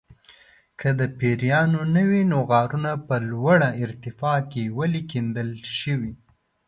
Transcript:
که د پیریانو نه وي نو غارونه په لوړه ارتفاع کې ولې کیندل شوي.